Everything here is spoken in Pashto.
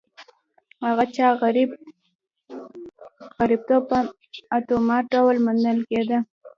هغه چا غړیتوب په اتومات ډول منل کېده